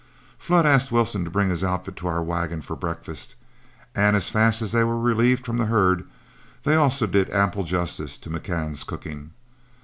Flood asked Wilson to bring his outfit to our wagon for breakfast, and as fast as they were relieved from herd, they also did ample justice to McCann's cooking.